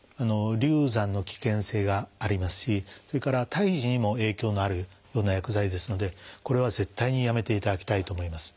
流産の危険性がありますしそれから胎児にも影響のあるような薬剤ですのでこれは絶対にやめていただきたいと思います。